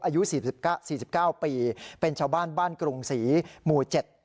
อายุ๔๙ปีเป็นชาวบ้านบ้านกรุงศรีหมู่๗